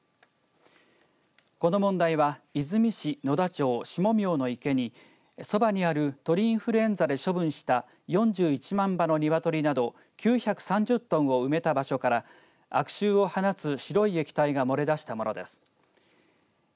この問題は出水市野田町下名の池にそばにある鳥インフルエンザで処分した４１万羽の鶏など９３０トンを埋めた場所から悪臭を放つ白い液体が漏れ出したものです。